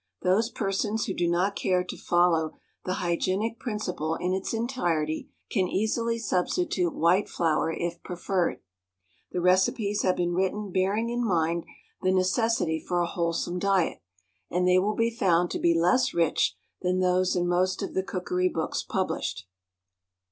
Those persons who do not care to follow the hygienic principle in its entirety can easily substitute white flour if preferred. The recipes have been written bearing in mind the necessity for a wholesome diet; and they will be found to be less rich than those in most of the cookery books published.